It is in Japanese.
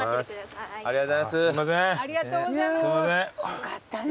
よかったね来て。